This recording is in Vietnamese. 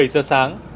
bảy giờ sáng